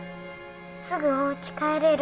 すぐおうち帰れる。